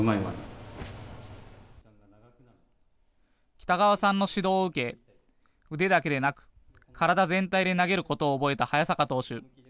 北川さんの指導を受け腕だけでなく体全体で投げることを覚えた早坂投手。